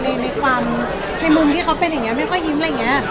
แล้วก็ก่อนรู้สึกว่าในมุมที่เขาเป็นอย่างเงี้ยไม่ค่อยยิ้มอะไรอย่างเงี้ย